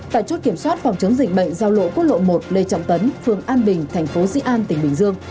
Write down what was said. tại chốt kiểm soát phòng chống dịch bệnh giao lộ quốc lộ một lê trọng tấn phường an bình thành phố di an tỉnh bình dương